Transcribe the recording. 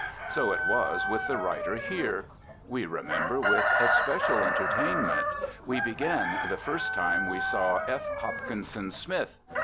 So it was with the writer here. We remember with especial entertainment, we begin, the first time we saw F. Hopkinson Smith.